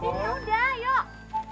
dikau udah yuk